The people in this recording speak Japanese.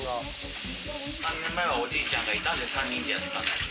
３年前はおじいちゃんがいたので、３人でやってた。